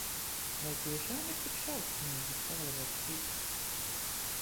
Vai tiešām ir tik šausmīgi, Oliver Tvist?